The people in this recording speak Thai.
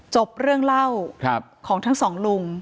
จบเรื่องเล่าของทั้งสองลุง